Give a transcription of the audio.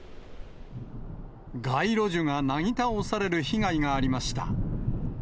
街路樹がなぎ倒される被害がありました。